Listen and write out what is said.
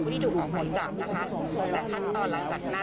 ที่ถูกออกหมายจับนะคะแต่ขั้นตอนหลังจากนั้น